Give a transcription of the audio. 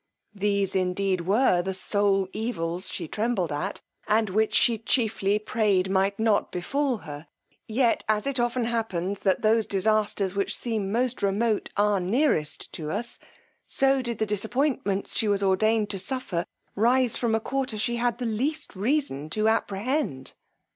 These, indeed, were the sole evils she trembled at, and which she chiefly prayed might not befal her. Yet as it often happens that those disasters which seem most remote are nearest to us, so did the disappointments she was ordained to suffer, rise from a quarter she had the least reason to apprehend.